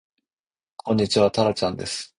こんにちはたらちゃんです